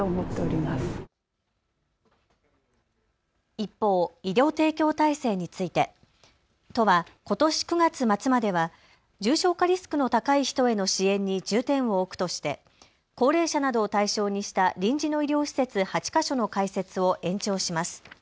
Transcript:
一方、医療提供体制について都はことし９月末までは重症化リスクの高い人への支援に重点を置くとして高齢者などを対象にした臨時の医療施設８か所の開設を延長します。